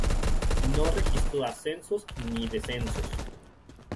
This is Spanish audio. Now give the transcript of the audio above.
No registró ascensos ni descensos.